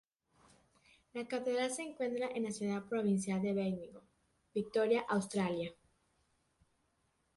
La catedral se encuentra en la ciudad provincial de Bendigo, Victoria, Australia.